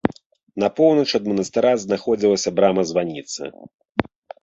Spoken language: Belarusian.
На поўнач ад манастыра знаходзілася брама-званіца.